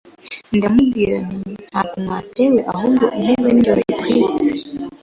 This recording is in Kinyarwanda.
ndamubwira nti ntimwatewe ahubwo intebe ni njye wazitwitse